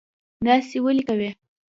داسی ولې کوي